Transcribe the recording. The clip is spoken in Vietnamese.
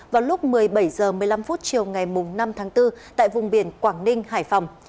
vào lúc một mươi bảy h một mươi năm chiều ngày năm tháng bốn tại vùng biển quảng ninh hải phòng